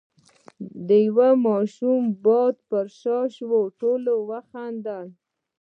، د يوه ماشوم باد پرې شو، ټولو وخندل،